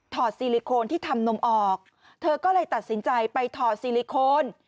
ซีลิโคนที่ทำนมออกเธอก็เลยตัดสินใจไปถอดซีลิโคน